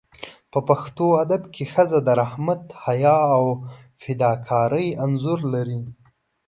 په پښتو ادب کې ښځه د رحمت، حیا او فداکارۍ انځور لري.